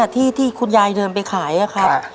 ที่คุณยายเดินไปขายนะครับ